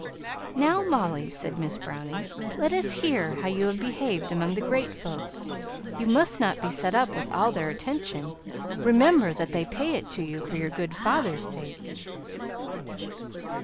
"Now, Molly," said Miss Browning, "let us hear how you behaved among the great folks. You must not be set up with all their attention; remember that they pay it to you for your good father's sake."